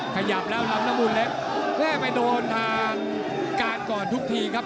ขยับแล้วล้ำละมุนเล็กแรกไปโดนทางกากก่อนทุกทีครับ